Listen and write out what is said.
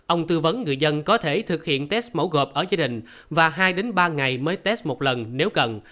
ông tư vấn người dân có thể thực hiện test mẫu gộp ở gia đình và hai ba ngày mới test một lần nếu cần